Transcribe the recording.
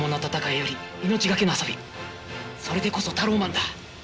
それでこそタローマンだ。